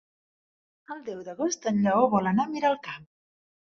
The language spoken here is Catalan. El deu d'agost en Lleó vol anar a Miralcamp.